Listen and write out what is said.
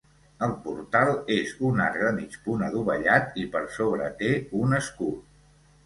El portal és un arc de mig punt adovellat i per sobre té un escut.